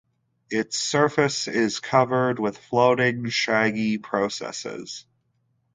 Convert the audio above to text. Its surface is covered with floating shaggy processes.